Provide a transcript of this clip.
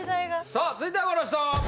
・さあ続いてはこの人！